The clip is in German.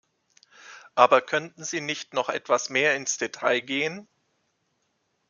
Aber könnten Sie nicht noch etwas mehr ins Detail gehen?